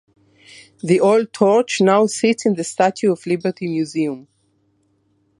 The old torch now sits in the Statue of Liberty Museum.